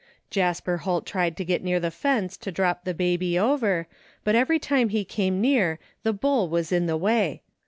Jasper Holt tried to get near the fence to drop the baby over, but every time he came near the bull was in the way.